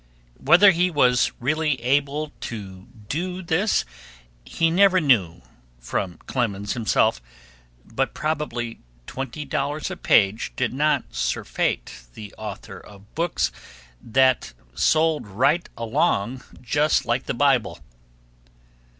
Whether he was really able to do this he never knew from Clemens himself, but probably twenty dollars a page did not surfeit the author of books that "sold right along just like the Bible."